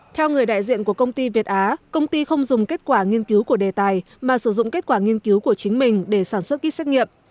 theo người đại diện của công ty việt á công ty không dùng kết quả nghiên cứu của đề tài mà sử dụng kết quả nghiên cứu của chính mình để sản xuất kýt xét nghiệm